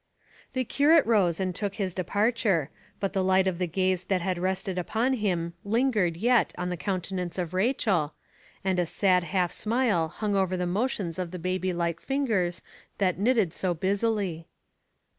The curate rose and took his departure, but the light of the gaze that had rested upon him lingered yet on the countenance of Rachel, and a sad half smile hung over the motions of the baby like fingers that knitted so busily.